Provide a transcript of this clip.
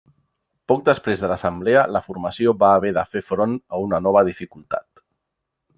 Poc després de l'Assemblea, la formació va haver de fer front a una nova dificultat.